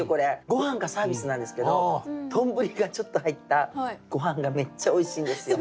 ごはんがサービスなんですけどとんぶりがちょっと入ったごはんがめっちゃおいしいんですよ。